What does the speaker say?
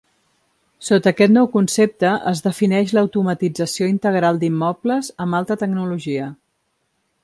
Sota aquest nou concepte es defineix l'automatització integral d'immobles amb alta tecnologia.